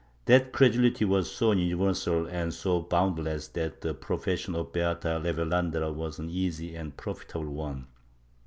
That credulity was so universal and so boundless that the profes sion of heata revelandera was an easy and a profitable one.